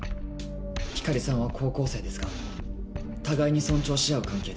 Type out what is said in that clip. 光莉さんは高校生ですが互いに尊重し合う関係です。